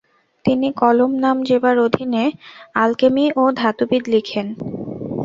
তিনি কলম-নাম জেবার অধীনে আল-কেমি ও ধাতুবিদ লিখেন।